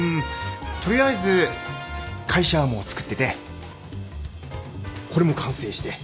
取りあえず会社はもうつくっててこれも完成して。